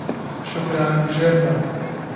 شوکرانەبژێر بە